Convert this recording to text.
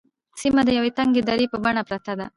سیمه د یوې تنگې درې په بڼه پرته ده.